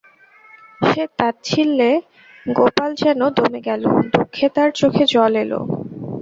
সে-তাচ্ছিল্যে গোপাল যেন দমে গেল, দুঃখে তার চোখে জল এল।